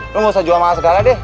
lo gak usah jual jualan segala deh